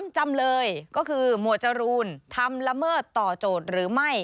จำเลยก็คือหมวดจรูนทำละเมิดต่อโจทย์หรือไม่